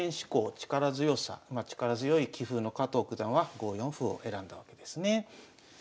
力強さ力強い棋風の加藤九段は５四歩を選んだわけですね。